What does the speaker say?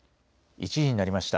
１時になりました。